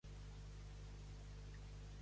Pública veu i fama.